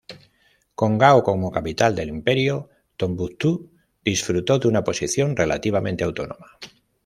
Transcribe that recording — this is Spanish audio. Con Gao como capital del imperio, Tombuctú disfrutó de una posición relativamente autónoma.